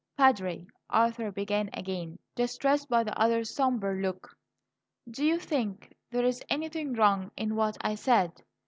"Padre," Arthur began again, distressed by the other's sombre look, "do you think there is anything wrong in what I said?